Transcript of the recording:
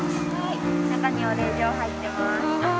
中にお礼状入ってます。